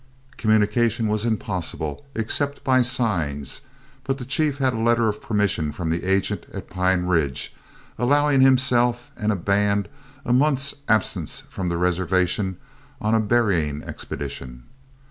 Communication was impossible, except by signs, but the chief had a letter of permission from the agent at Pine Ridge, allowing himself and band a month's absence from the reservation on a berrying expedition.